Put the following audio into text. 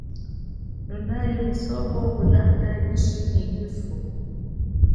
Nunayi musoko kulanda ifwo nyi ishi ?